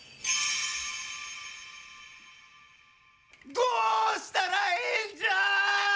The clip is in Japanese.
どうしたらええんじゃ。